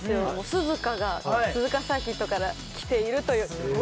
「鈴花」が「鈴鹿サーキット」からきているという。